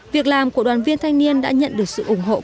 việc làm của đoàn viên thanh niên đã nhận được sự ủng hộ của nhiều người